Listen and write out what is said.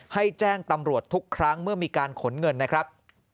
ให้แจ้งตำรวจทุกครั้งเมื่อมีการขนเงินนะครับ